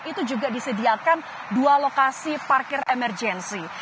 itu juga disediakan dua lokasi parkir emergensi